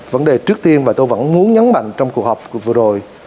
vấn đề trước tiên và tôi vẫn muốn nhấn mạnh trong cuộc họp vừa rồi